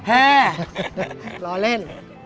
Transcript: แพ้ล้อเล่น